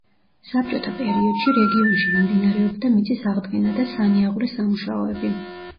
საბჭოთა პერიოდში, რეგიონში მიმდინარეობდა მიწის აღდგენა და სანიაღვრე სამუშაოები.